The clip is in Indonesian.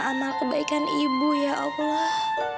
amal kebaikan ibu ya allah